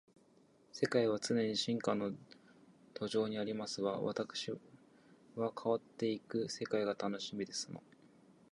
世界は常に進化の途上にありますわ。わたくしは変わっていく世界が楽しみですの